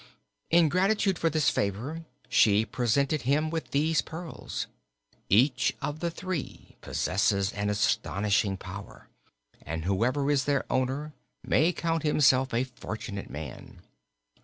In gratitude for this favor she presented him with these pearls. Each of the three possesses an astonishing power, and whoever is their owner may count himself a fortunate man.